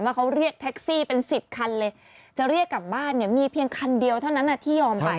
ว่าเขาเรียกแท็กซี่เป็น๑๐คันเลยจะเรียกกลับบ้านเนี่ยมีเพียงคันเดียวเท่านั้นที่ยอมไป